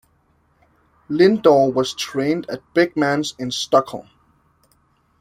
Lindarw was trained at Beckmans in Stockholm.